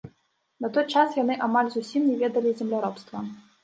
На той час яны амаль зусім не ведалі земляробства.